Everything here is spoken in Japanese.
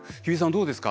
どうですか？